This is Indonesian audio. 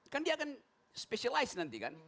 kan dia akan specialize nanti kan